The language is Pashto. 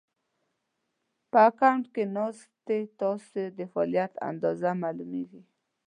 په اکونټ کې ناسې ته ستاسې د فعالیت اندازه مالومېږي